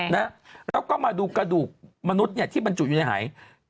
แล้วก็มาดูกระดูกมนุษย์ที่มันจุดอยู่ในไห่